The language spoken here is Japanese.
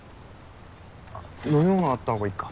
あっ飲み物あった方がいいか。